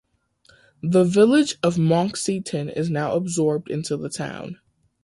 The village of Monkseaton is now absorbed into the town.